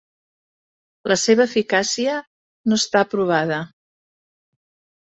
La seva eficàcia no està provada.